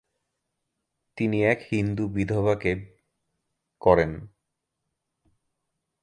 তিনি এক হিন্দু বিধবাকে করেন।